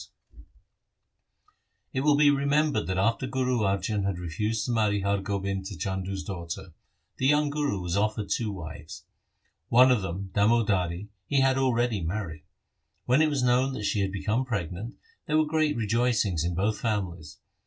2 Asa. SIKH. IV E 50 THE SIKH RELIGION It will be remembered that after Guru Arjan had refused to marry Har Gobind to Chandu's daughter, the young Guru was offered two wives. One of them, Damodari, he had already married. When it was known that she had become pregnant, there were great rejoicings in both families.